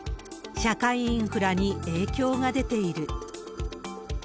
社会インフラに影響が出ている。